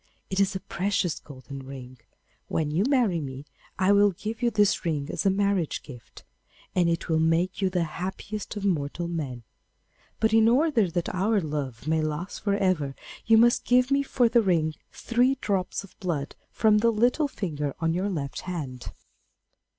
It is a precious gold ring. When you marry me, I will give you this ring as a marriage gift, and it will make you the happiest of mortal men. But in order that our love may last for ever, you must give me for the ring three drops of blood from the little finger of your left hand.